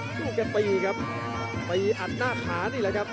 ถูกกันไปครับไปอันหน้าขานี่แหละครับ